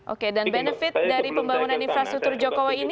oke dan benefit dari pembangunan infrastruktur jokowi ini